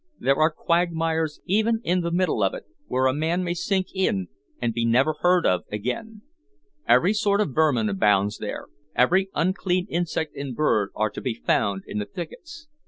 There are quagmires even in the middle of it, where a man may sink in and be never heard of again. Every sort of vermin abounds there, every unclean insect and bird are to be found in the thickets.